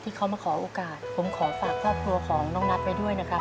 ที่เขามาขอโอกาสผมขอฝากครอบครัวของน้องนัทไว้ด้วยนะครับ